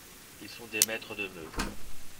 Ils sont des maîtres de meutes.